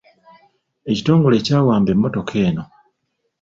Ekitongole kyawamba emmotoka eno.